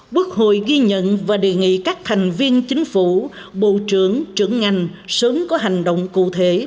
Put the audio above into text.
quốc hội ghi nhận và đề nghị các thành viên chính phủ bộ trưởng trưởng ngành sớm có hành động cụ thể